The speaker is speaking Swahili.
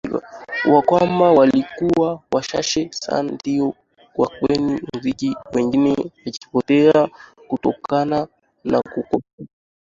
ni kwamba walikuwa wachache Sana ndio wanabaki kwenye muziki wengine wakipotea kutokana na kukosa